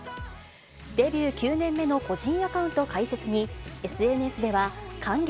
デビュー９年目の個人アカウント開設に、ＳＮＳでは、感激！